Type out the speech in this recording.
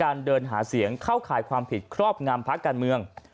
เดินหาเสียงเข้าข่ายความผิดครอบงำพักการเมือง